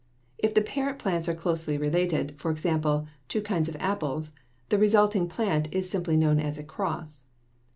If the parent plants are closely related, for example, two kinds of apples, the resulting plant is known simply as a cross.